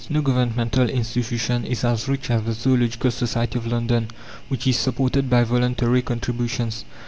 No governmental institution is as rich as the Zoological Society of London, which is supported by voluntary contributions.